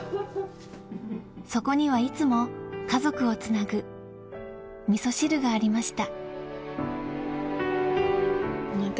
そこにはいつも家族をつなぐ、みそ汁がありました。